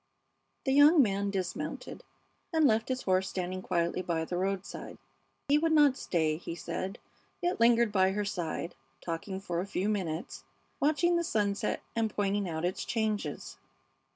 The young man dismounted and left his horse standing quietly by the roadside. He would not stay, he said, yet lingered by her side, talking for a few minutes, watching the sunset and pointing out its changes.